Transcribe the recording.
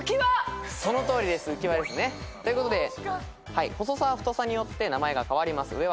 そのとおりです「ウキワ」ですね。ということで細さ太さによって名前が変わります。